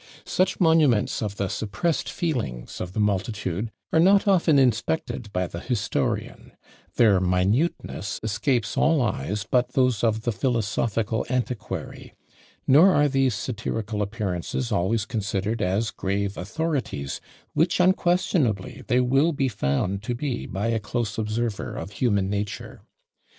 Such monuments of the suppressed feelings of the multitude are not often inspected by the historian their minuteness escapes all eyes but those of the philosophical antiquary; nor are these satirical appearances always considered as grave authorities, which unquestionably they will be found to be by a close observer of human nature.